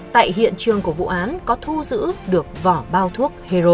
tại hiện trường của vụ án có thu giữ được vỏ bao thuốc hero